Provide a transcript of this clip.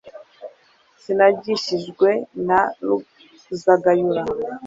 sinagishijwe na ruzagayura